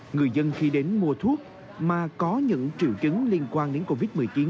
người dân khi đến mua thuốc mà có những triệu chứng liên quan đến covid một mươi chín